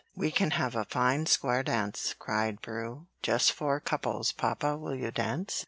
"We can have a fine square dance," cried Prue. "Just four couples papa, will you dance?"